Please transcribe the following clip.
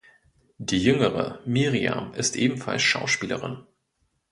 Die jüngere, Miriam, ist ebenfalls Schauspielerin.